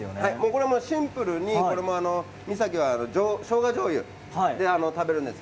これもシンプルに三崎は、しょうがじょうゆで食べるんです。